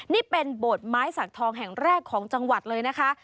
นี่เป็นโบสถ์ไม้สักทองแห่งแรกของจังหวัดเลยนะคะ